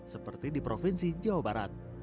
seperti di provinsi jawa barat